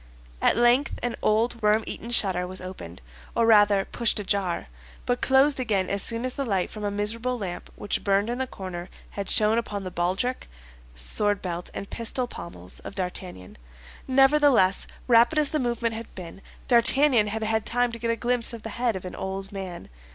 At length an old, worm eaten shutter was opened, or rather pushed ajar, but closed again as soon as the light from a miserable lamp which burned in the corner had shone upon the baldric, sword belt, and pistol pommels of D'Artagnan. Nevertheless, rapid as the movement had been, D'Artagnan had had time to get a glimpse of the head of an old man.